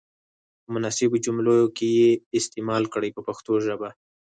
په مناسبو جملو کې یې استعمال کړئ په پښتو ژبه.